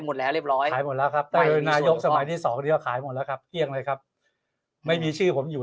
หมดแล้วครับนายกสมัยที่๒ก็ขายหมดแล้วครับไม่มีชื่อผมอยู่